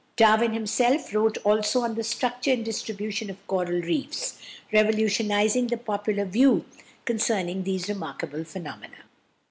Darwin himself wrote also on the "Structure and Distribution of Coral Reefs," revolutionising the popular view concerning these remarkable phenomena.